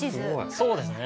そうですね。